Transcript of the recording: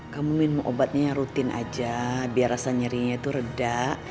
kamu minum obatnya yang rutin aja biar rasa nyerinya itu reda